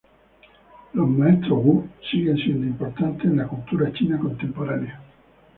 Los maestros "Wu" siguen siendo importantes en la cultura china contemporánea.